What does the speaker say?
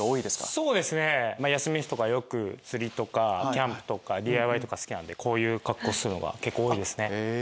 そうですね休みの日とかよく釣りとかキャンプとかＤＩＹとか好きなのでこういう格好するのが結構多いですね。